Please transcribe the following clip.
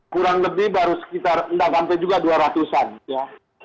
kurang lebih baru sekitar tidak sampai juga dua ratus an ya